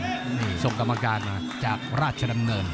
นี่ส่งกรรมการมาจากราชดำเนิน